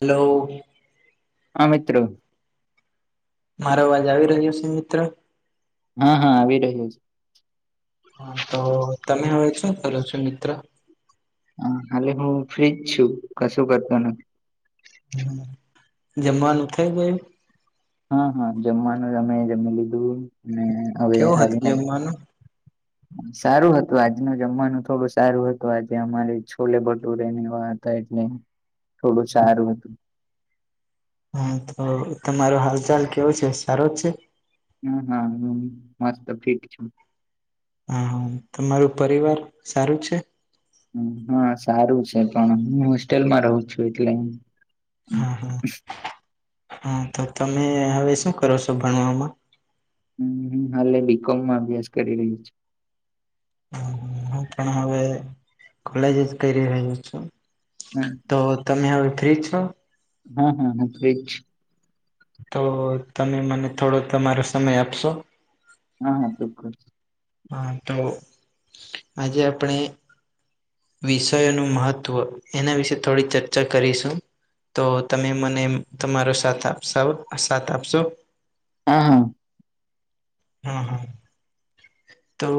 Hello હા મિત્રો મારો અવાજ આવી રહ્યો છે મિત્ર- હા હા આવી રહ્યો છે. હા તો તમે હવે શ કરો છો મિત્ર. હ હાલે હું ફ્રીજ છું કશું કરતો નથી. જમવાનું થઈ ગયું? હા હા જમવાનું અમે જમી લીધું અને હવે કેવું હતું આવીને- જમવાનું સારું હતું આજનું જમવાનું થોડું સારું હતું આજે અમારી છોલે બટુરેની વાત- એટલે થોડું સારું હતું. હા તો તમારો હાલચાલ કેવો છે સારો જ છે? હમ હા હ મસ્ત ફે છે. હા, તમારું પરિવાર સારું છે. હા સારું છે, પણ હું હોસ્ટેલમાં રહું છું એટલે હા હા હા તો તમે હવે શું કરો છો ભણવામાં હમ્મ હ હાલેલી બીકોમમાં અભ્યાસ કરીયુ છે. હું પણ હવે કોલેજ જ કરી રહહી છું. હમ્મ તો તમે હવે ફ્રી છો? હ હ હ ફ્રી જ છું. તો તમે મને થોડો તમારો સમય આપશો, હા હા [unintelligible] હા, તો આજે આપણે વિષયોનું મહત્ત્વ એના વિશે થોડી ચર્ચા કરીશું, તો તમે મને તમારો સાથ આપ સાથ આપશો? હમ્મ હા હા તો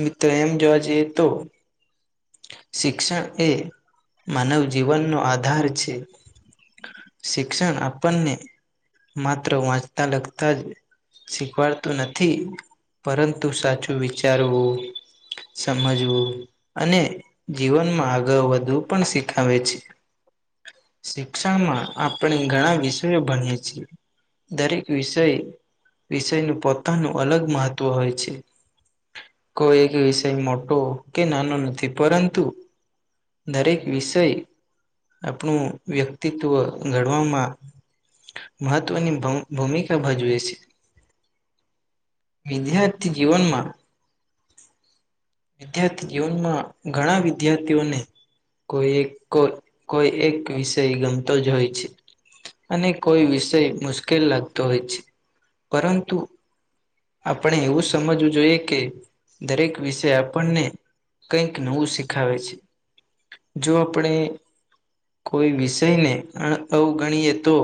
મિત્રો એમ જોવા જઈએ તો શિક્ષણ એ માનવ જીવનનો આધાર છે. શિક્ષણ આપણને માત્ર વાંચતા લગતા જ શીખવાડતું નથી પરંતુ સાચું વિચારવું સમજવું અને જીવનમાં આગળ વધવુ પણ શીખાવે છે. શિક્ષામાં આપણે ઘણા વિષયો ભણીએ છીએ, દરેક વિષય વિષયનું પોતાનું અલગ મહત્વ હોય છે, કોઈ એક વિષય મોટો કે નાનો નથી, પરંતુ દરેક વિષય આપણું વ્યક્તિત્વ ઘડવામાં મહત્વની [unintelligible] ભૂમિકા ભજવે છે. વિદ્યાર્થી જીવનમાં વિદ્યાર્થી જીવનમાં ઘણા વિદ્યાર્થીઓને કોઈ એક કો કોઈ એક વિષય ગમતો જ હોય છે. અને કોઈ વિષય મુશ્કેલ લાગતો હોય છે, પરંતુ આપણે એવું સમજવું જોઈએ કે દરેક વિષ તે આપણને કઈક નવું શીખાવે છે, જો આપણે કોઈ વિષયને અ અવગણીએ તો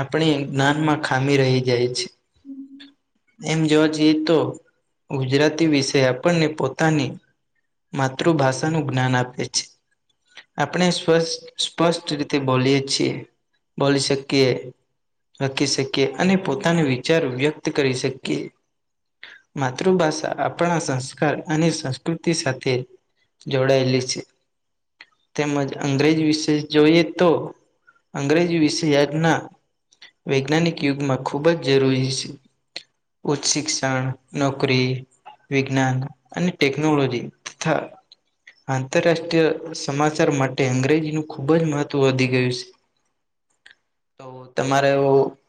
આપણે જ્ઞાનમાં ખામી રહી જાય છે, હમ્મ એમ જોવા જઈએ તો ગુજરાતી વિશય આપણને પોતાની માતૃભાષાનું જ્ઞાન આપે છે, આપણે સ્વચ્છ સ્પષ્ટ રીતે બોલીએ છીએ, બોલી શકી કે લખી શકીએ અને પોતાના વિચાર વ્યક્ત કરી શકીએ. માતૃભાષા આપ આપણા સંસ્કાર અને સંસ્કૃતિ સાથે જોડાયેલી છે. તેમજ અંગ્રેજી વિશે જોઈએ તો અંગ્રેજી વિશે [unintelligible] ના વૈજ્ઞાનિક યુગમાં ખૂબ જ જરૂરી છે. ઉચ્ચ શિક્ષણ નોકરી વિજ્ઞાન અને ટેકનોલોજી તથા આંતરરાષ્ટ્રીય સમાચાર માટે અંગ્રેજી ન ખુબ જ મહત્વ વધી ગયું છે તો તમારે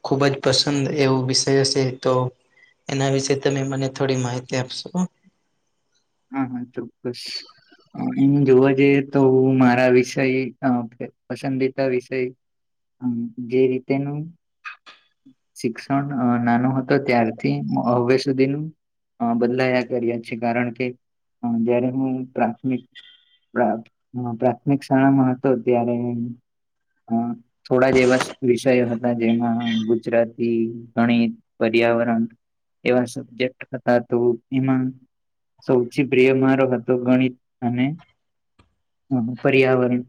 ખુબ જ પસંદ એવો વિષય હ છે તો એના વિશે તમે મને થોડી માહિતી આપશો, હા હા ચોક્કસ એમ જોવા જઈએ તો હું મારા વિષય પસંદીતા વિષય હમ્મ જે રીતેનું શિક્ષણ નાનો હતો, ત્યારથી હવે સુધીનું હ બદલાયા કર્યા છે, કારણ કે હ જયારે હું પ્રાથમિક ા પ્રાથમિક શાળામાં હતો ત્યારે હ થોડા જ એવા વિષયો હતા જેમાં ગુજરાતી ગણિત પર્યાવરણ એવા સબ્જેક્ટ હતા તો એમાં સૌથી પ્રિય મારો હતો ગણિત અનેને હ પર્યાવરણ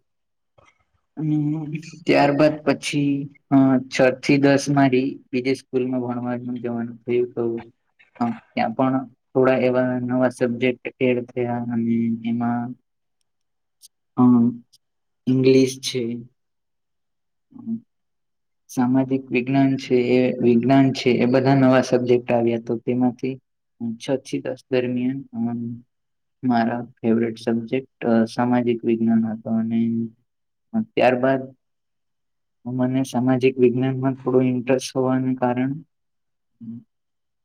ત્યારબાદ પછી હ છ થી દસ મા ર બીજે સ્કૂલમાં ભણવા જવાનું થયું કું હ ત્યાં પણ થોડા એવા નવા સબજેક્ટ એડ થયા અને એમાં હમ ઇંગ્લિશ છે હમ સામાજિક વિજ્ઞાન છે એ વિજ્ઞાન છે એ બધા નવા સબ્જેક્ટ આવ્યા તેમાંથી છ છી દસ દરમિયાન અમ મારા ફેવટ સબ્જેક્ટ સામાજિક વિજ્ઞાન હતો અને ત્યારબાદ મને સામાજિક વિજ્ઞાન માં થોડું ઇન્ટરેસ્ટ હોવાને કારણે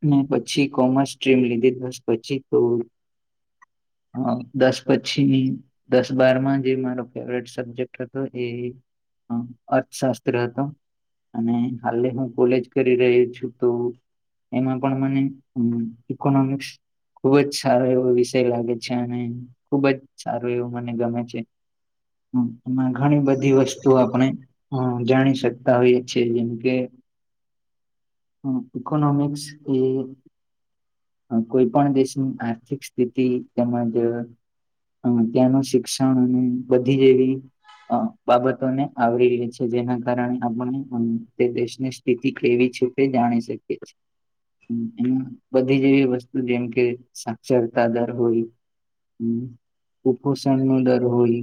મે પછી કોમર્સ સ્ટ્રીમ લીધી પછી તો હ દસ પછી દસ બારમાં જે મારો ફેવરેટ સબ્જેક્ટ હતો એ અર્થશાસ્ત્ર હતો અને હા હું કોલેજ કરી રહ્યો છું તો એમાં પણણ મ ઇકોનોમિક્સ ખુબ જ સારો એવો વિષય લાગે છે અને ખુબ જ સારું એવું મને ગમે છે હ એમાં ઘણી બધી વસ્તુઓ આપણે હમ જાણી શકતા હોઈએ છેીએ જેમ કે હમ ઇકોનોમિક્સ એ કોઈ પણ દેશની આર્થિક સ્થિતિ તેમજ હ ત્યાંનું શિક્ષણ અને બધી જેવી અ બાબતોને આવરી છે જેના કારણે આપણે તે દેશને કેવી છે કે જાણી શકી છેએ બધી જેવી વસ્તુ જેમ કે સાક્ષરતા દર હોય હમ કુપોષણ નો દર હોય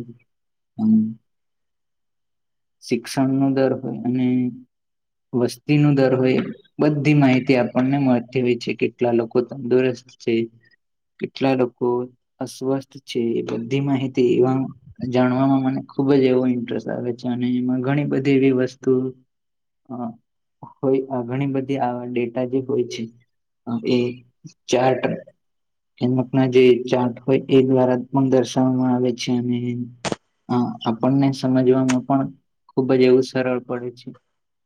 હમ શિક્ષણ ન દર હોય અને વસ્તી ન દર હોય બધી માહિતી આપણને મળતી હોય છે કે કેટલા લોકો તંદુરસ્ત છે કેટલા લોકો અસ્વસ્થ છે બધી માહિતી જાણવામાં મને ખુબ જ એવો ઇન્ટરેસ્ટ આવે છે અને એમાં ઘણી બધી એવી વસ્તુ હ હોય ઘણી બધી આવા ડેટા જે હોય છે હ એ ચાર ટ કમક ના જે જાત હોય એ દ્વારા પણ દર્શાવવામાં આવે છે અ હા આપણને સમજવામાં પણ ખુબ જ એવું સરળ પડે છે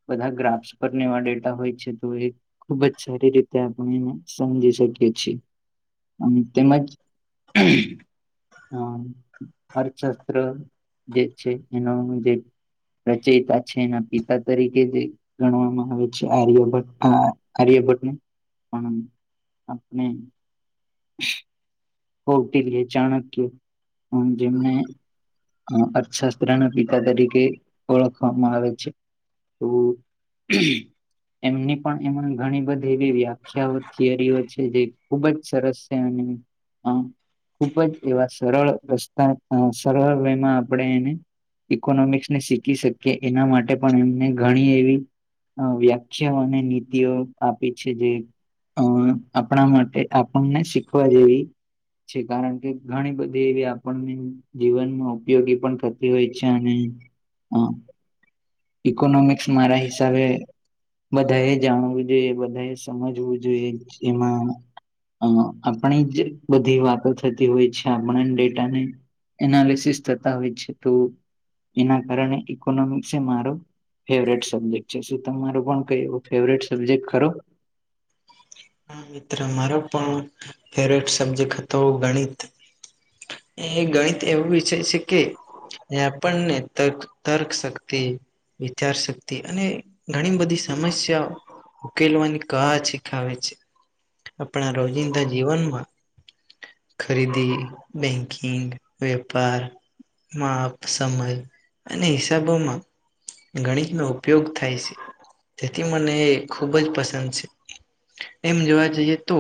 બધા ગ્રાફ્સ પર એવા ડેટા હોય છે તો એ ખુબ જ સારી રીતે આપણે એને સમજી શકીએ છીએ અને તેમજ અ અર્થશાસ્ત્ર જે છે એનો જે રચે પાછી એના પિતા તરીકે જે ગણવામાં આવે છે આર્યભટ્ટ આર્યભટ્ટને પણણ આપણે હ હોટી ચાણક્ય હા જેમને અર્થશાસ્ત્રના પિતા તરીકે ઓળખવામાં આવે છે તો એમની પણ એમાં ઘણી બધી એવી વ્યાખ્યાઓ થિયરીઓ છે જે ખુબ જ સરસ છે એને ખુબ જ એવા સરળ રસ્તા સરળ વેમાં આપણે એને ઇકોનોમિક્સ ને શીખી શકીએ એના માટે પણ એમને ઘણી એવી વ્યાખ્યા અને નીતિઓ આપી છે જે અ આપણા માટે આપણને શીખવા જેવી છે કારણ કે ઘણી બધી એવી આપણને જીવનમાં ઉપયોગી પણ થતી હોય છે અને અ ઇકોનોમિક્સ મારા હિસાબે બધા એ જાણવું જોઈએ બધા એ સમજવું જોઈએ જેમાં અ આપણે જે બધી વાતો થતી હોય છે આપણા ડેટાને એનાલિસિસ થતા હોય છે તો એના કારણે ઇકોનોમિક્સ એ મારો ફેવરેટ સબ્જેક્ટ છે શું તમારું પણ કઈ એવો ફેવરેટ સબ્જેક્ટ ખરો? હા મિત્ર મારો પણ ફેવટ સબ્જેક્ટ હતો ગણિત એ ગણિત એવું વિષય છે કે જે આપણને તક તર્ક શક્તિ વિયાર શક્તિ અને ઘણી બધી સમસ્યા ઉકેલવાની કળા શીખાવે છે આપણા રોજિંદા જીવનમાં ખરીદી બેંકિંગ વેપાર માપ સમય અને હિસાબોમાં ગણિતનો ઉપયોગ થાય છે તેથી મને ખૂબ જ પસંદ છે એમ જોવા જઈએ તો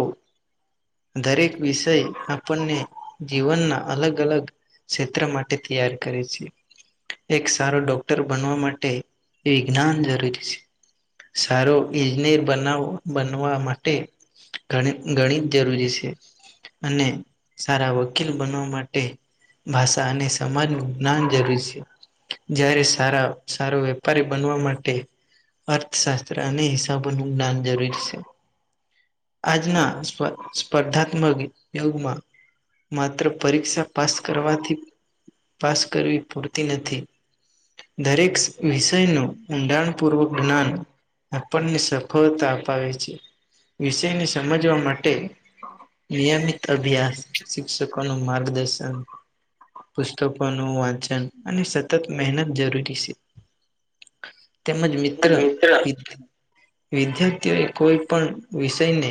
દરેક વિષય આપણને જીવનના અલગ અલગ ક્ષેત્ર માટે તૈયાર કરે છે એક સારો ડોક્ટર બનવા માટે વિજ્ઞાન જરૂરી છે સારો ઇજનેર બનાવ બનવા માટે ઘણી ગણિત જરૂરી છે અને સારા વકીલ બનવા માટે ભાષા અને સમાજનું જ્ઞાન જરૂરી છે જયારે સારા સારો વેપારી બનવા માટે અર્થશાસ્ત્ર અને હિસાબોનું જ્ઞાન જરૂરી છે આજના સ્પર્ધાત્મક યુગમાં માત્ર પરીક્ષા પાસ કરવાથી પાસ કરવી પૂરતી નથી દરેક વિષય નું ઊંડાણપૂર્વક જ્ઞાન આપણને સફળતા અપાવે છે વિષયને સમજવા મા ટે નિયમિત અભ્યાસ શિક્ષકોનું માર્ગદર્શન પુસ્તકોનું વાંચન અને સતત મહેનત જરૂરી છે તેમજ મિત્ર વિદ્યાર્થીઓ એ કોઈ પણ વિષયને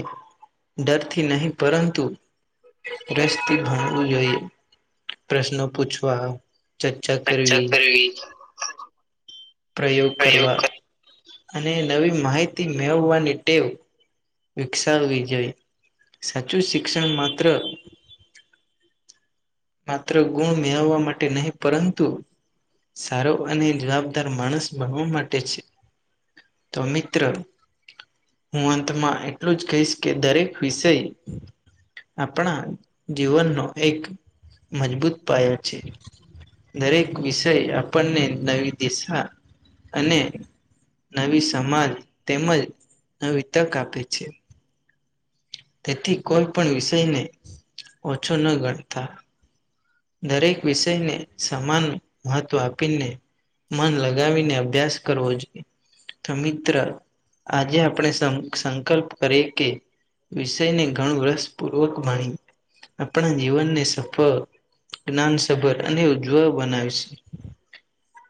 ડરથી નહીં પરંતુ રસ થી ભણવું જોઈએ પ્રશ્ન પૂછવા ચર્ચા કરવી પ્રયોગ કરવા અને નવી માહિતી મેળવવાની ટેવ વિકસાવવી જોઈ સાચું શિક્ષણ માત્ર માત્ર ગુણ મેળવવા માટે નહીં પરંત સારો અને જવાબદાર માણસ ભણવા માટે છે. તો મિત્ર હું અંતમાં એટલું જ કહીશ કે દરેક વિષય આપણા જીવનનો એક મજબૂત પાયો છે દરેક વિષય આપણને નવી દિશા અને નવી સમાજ તેમજ નવી તક આપે છે. તેથી કોઈ પણ વિષયને ઓછો ન ગણતા દરેક વિષયને સમાન મહત્વ આપીને મન લગાવીને અભ્યાસ કરવો જોઈએ. તો મિત્ર આજે આપણે સંકલ્પ કરીએ કે વિષયને ઘણું રસપૂર્વક માણી આપણા જીવનને સફળ જ્ઞાનસભર અને ઉજ્જવ બનાવે છે.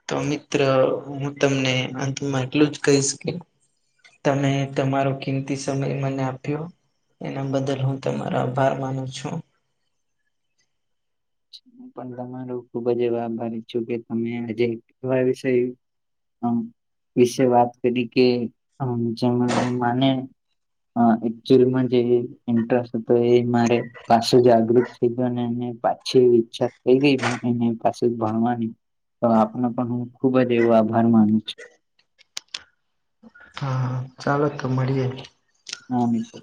તો મિત્ર હું તમને અંતમાં એટલું જ કહી શકી તમે તમારો કિંમતી સમય મને આપ્યો એના બદલ હું તમારો આભાર માનું છુ. હું પણ તમારું ખુબ જ એ આભારી છું કે તમે આજે એવા વિષય વિશે વાત કરી કે જેમ માને હ એક્ચુઅલી જે ઇન્ટરેસ્ટ તો એ મારે પાછું જાગૃત થઈ ગયો ને એને પાછી ઈચ્છા થઈ ગઈ એને પાછું જ ભણવાની તો આપનો પણ હું ખુબ જ એવો આભાર માનું છુ. હા ચાલો તો મળી જાય. હા તો